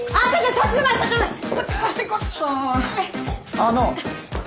あの。